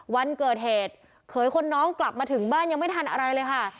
วันเกิดเหตุเขยคนน้องกลับมาถึงบ้านยังไม่ทันอะไรเลยค่ะ